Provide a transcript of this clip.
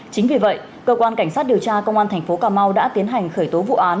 chính vì vậy cơ quan cảnh sát điều tra công an thành phố cà mau đã tiến hành khởi tố vụ án